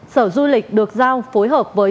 sở du lịch được giao phối hợp với